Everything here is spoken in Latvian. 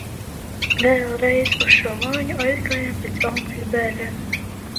Vēl reiz uz šo mājiņu aizgājām pēc onkuļa bērēm.